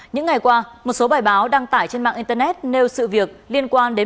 những ngày qua một số bài báo đăng tải trên mạng internet nêu sự việc liên quan đến